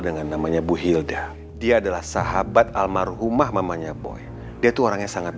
dengan namanya bu hilda dia adalah sahabat almarhumah mamanya boy dia tuh orangnya sangat